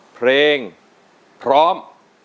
เพลงพร้อม